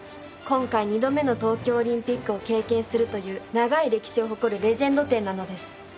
今回二度目の東京オリンピックを経験するという長い歴史を誇るレジェンド店なのです。